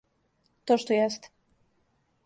То што јесте.